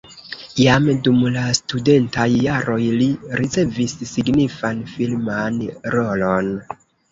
Jam dum la studentaj jaroj li ricevis signifan filman rolon.